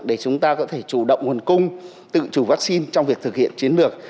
để chúng ta có thể chủ động nguồn cung tự chủ vaccine trong việc thực hiện chiến lược